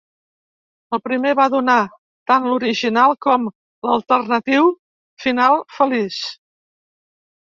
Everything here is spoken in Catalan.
El primer va donar tant l'original com l'alternatiu final "feliç".